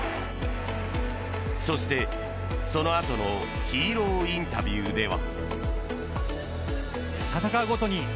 そして、そのあとのヒーローインタビューでは。